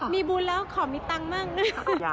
มีบุญแล้วขอมีตังค์มากนะ